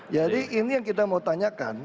ini yang kita mau tanyakan